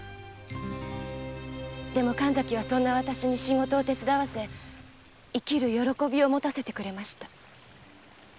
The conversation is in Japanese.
でも神崎は私に仕事を手伝わせ生きる喜びを持たせてくれました。